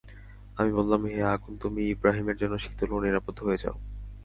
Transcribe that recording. আমি বললাম, হে আগুন তুমি ইবরাহীমের জন্য শীতল ও নিরাপদ হয়ে যাও।